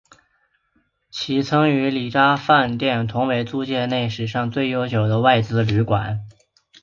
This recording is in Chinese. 其曾与礼查饭店同为租界内历史最悠久的外资旅馆。